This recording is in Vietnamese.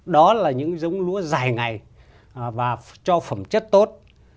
đó là những giống lúa dài ngày và cho phẩm chất tốt